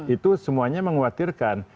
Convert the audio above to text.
itu semuanya mengkhawatirkan